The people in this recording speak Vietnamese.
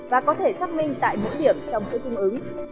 và có thể xác minh tại mỗi điểm trong chỗ tương ứng